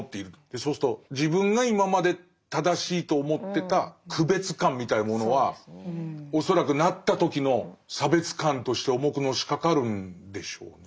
そうすると自分が今まで正しいと思ってた区別感みたいなものは恐らくなった時の差別感として重くのしかかるんでしょうね。